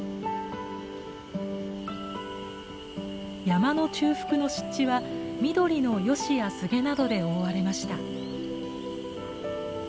山の中腹の湿地は緑のヨシやスゲなどで覆われました。